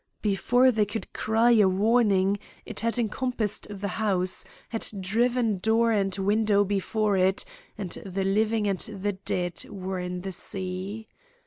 Before they could cry a warning it had encompassed the house, had driven door and window before it, and the living and the dead were in the sea.